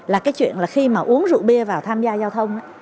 là cái chuyện là khi mà uống rượu bia vào tham gia giao thông á